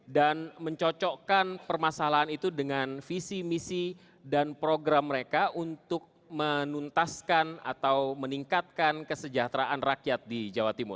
dan mencocokkan permasalahan itu dengan visi misi dan program mereka untuk menuntaskan atau meningkatkan kesejahteraan rakyat di jawa timur